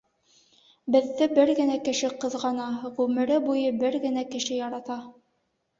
Беҙҙе бер генә кеше ҡыҙғана, ғүмере буйы бер генә кеше ярата.